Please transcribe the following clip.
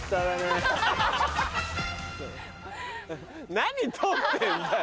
何撮ってんだよ！